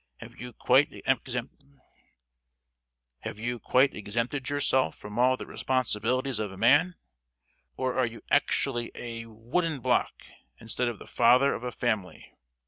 Have you quite exempted yourself from all the responsibilities of a man? Or are you actually a—a wooden block, instead of the father of a family?